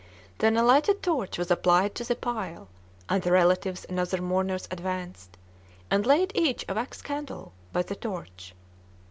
Then a lighted torch was applied to the pile, and the relatives and other mourners advanced, and laid each a wax candle by the torch.